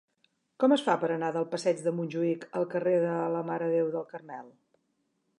Com es fa per anar del passeig de Montjuïc al carrer de la Mare de Déu del Carmel?